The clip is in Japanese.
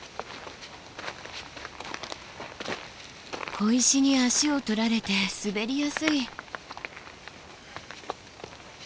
小石に足を取られて滑りやすい。